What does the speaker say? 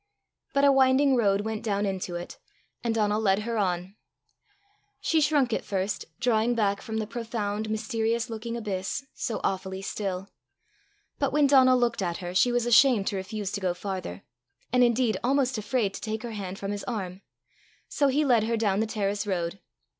But a winding road went down into it, and Donal led her on. She shrunk at first, drawing back from the profound, mysterious looking abyss, so awfully still; but when Donal looked at her, she was ashamed to refuse to go farther, and indeed almost afraid to take her hand from his arm; so he led her down the terrace road.